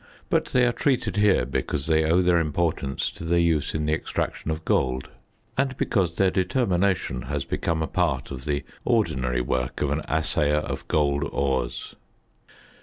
But they are treated here because they owe their importance to their use in the extraction of gold and because their determination has become a part of the ordinary work of an assayer of gold ores.